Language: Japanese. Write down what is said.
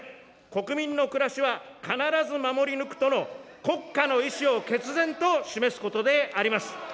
国民の暮らしは必ず守り抜くとの国家の意志を決然と示すことであります。